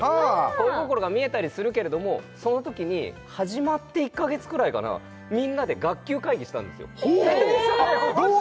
恋心が見えたりするけれどもその時に始まって１カ月くらいかなみんなで学級会議したんですよほう！